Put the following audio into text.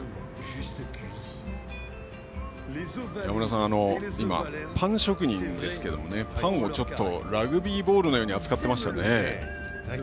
山村さん、パン職人が映りましたがパンをラグビーボールのように扱っていましたね。